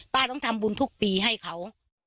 ต้องทำบุญทุกปีให้เขา